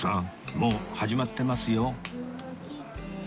もう始まってますよ